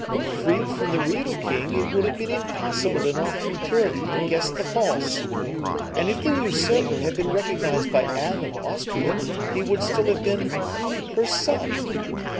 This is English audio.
Freed from the real king, it would have been impossible in all futurity to guess the false. And if the usurper had been recognized by Anne of Austria, he would still have been her son.